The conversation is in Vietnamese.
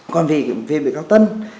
còn về bị cáo tân